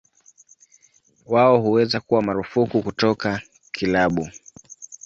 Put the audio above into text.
Wao huweza kuwa marufuku kutoka kilabu.